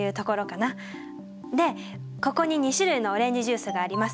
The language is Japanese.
でここに２種類のオレンジジュースがあります。